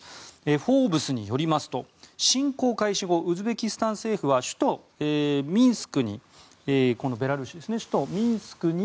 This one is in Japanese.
「フォーブス」によりますと侵攻開始後ウズベキスタン政府は首都ミンスクに。